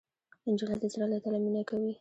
نجلۍ د زړه له تله مینه کوي.